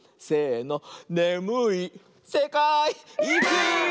せの。